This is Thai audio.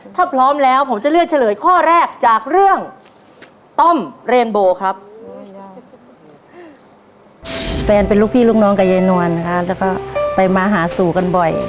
ถ้าพร้อมแล้วผมจะเลือกเฉลยข้อแรกจากเรื่องต้มเรนโบครับ